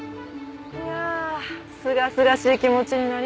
いやあすがすがしい気持ちになりますね。